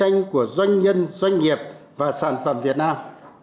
khả năng tự vệ của doanh nhân doanh nghiệp và sản phẩm việt nam